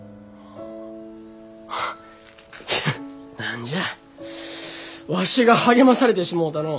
いや何じゃわしが励まされてしもうたのう。